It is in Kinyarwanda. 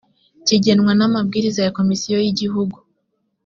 kigenwa n amabwiriza ya komisiyo y igihugu